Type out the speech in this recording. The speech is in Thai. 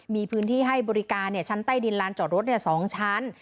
มีพื้นที่ให้บริการชั้นใต้ดินลานจอดรถ๒ชั้น